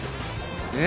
え！